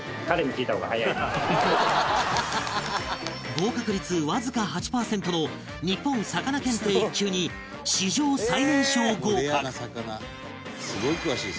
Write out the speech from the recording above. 合格率わずか８パーセントの日本さかな検定１級に史上最年少合格